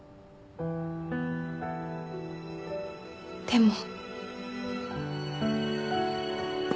でも。